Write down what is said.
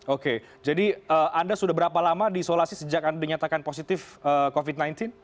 oke jadi anda sudah berapa lama diisolasi sejak anda dinyatakan positif covid sembilan belas